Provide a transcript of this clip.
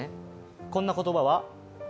こんな言葉は？